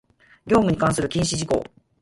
業務に関する禁止事項